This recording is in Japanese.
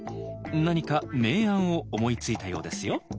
何か名案を思いついたようですよ。